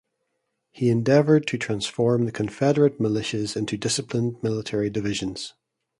He endeavored to transform the Confederate Militias into disciplined military divisions.